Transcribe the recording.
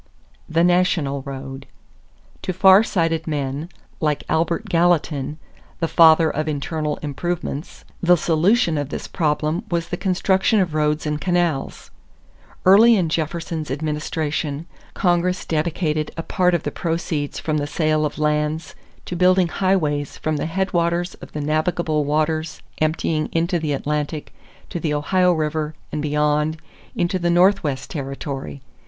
=The National Road.= To far sighted men, like Albert Gallatin, "the father of internal improvements," the solution of this problem was the construction of roads and canals. Early in Jefferson's administration, Congress dedicated a part of the proceeds from the sale of lands to building highways from the headwaters of the navigable waters emptying into the Atlantic to the Ohio River and beyond into the Northwest territory.